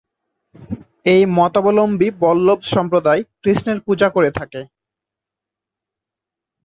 এই মতাবলম্বী বল্লভ সম্প্রদায় কৃষ্ণের পূজা করে থাকে।